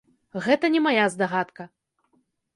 Гэта не мая здагадка.